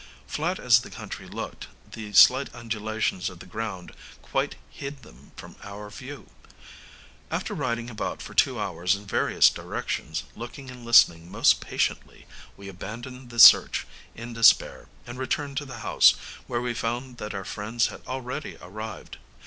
Flat as the country looked, the slight undulations of the ground quite hid them from our view. After riding about for two hours in various directions, looking and listening most patiently, we abandoned the search in despair, and returned to the house, where we found that our friends had already arrived.